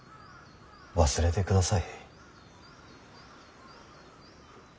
忘れてください。